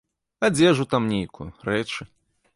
Адзежу там нейкую, рэчы.